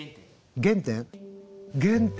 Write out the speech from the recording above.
原点？